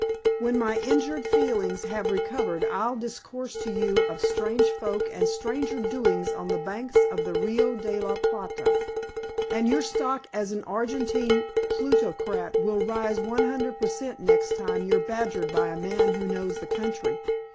When my injured feelings have recovered I'll discourse to you of strange folk and stranger doings on the banks of the Rio de la Plata, and your stock as an Argentine plutocrat will rise one hundred per cent, next time you're badgered by a man who knows the country."